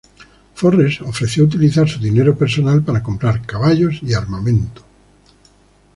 Forrest ofreció utilizar su dinero personal para comprar caballos y armamento.